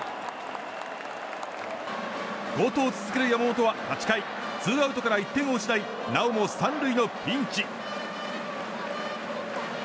好投続ける山本は８回、ツーアウトから１点を失いなおも３塁のピンチ。